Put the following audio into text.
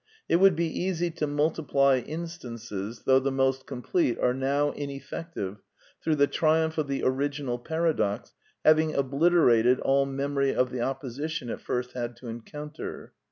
It would be easy to multiply instances, though the most complete are now ineffective through the triumph of the original paradox having obliter ated all memory of the opposition it iirst had to encounter.